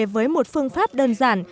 với một phương pháp đơn giản